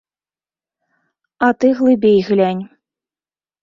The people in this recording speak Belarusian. А ты глыбей глянь.